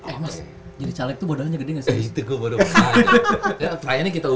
eh mas jadi caleg tuh modalnya gede gak sih